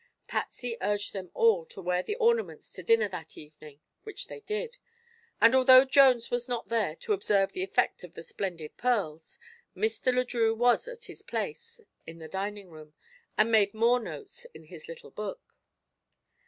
Patsy urged them all to wear the ornaments to dinner that evening, which they did, and although Jones was not there to observe the effect of the splendid pearls, Mr. Le Drieux was at his place in the dining room and made more notes in his little book.